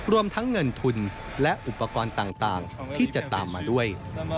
รวมทั้งเงินทุนและอุปกรณ์ต่างที่จะตามมาด้วย